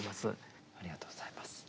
ありがとうございます。